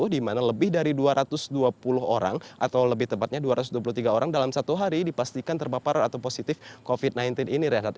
di mana lebih dari dua ratus dua puluh orang atau lebih tepatnya dua ratus dua puluh tiga orang dalam satu hari dipastikan terpapar atau positif covid sembilan belas ini rehat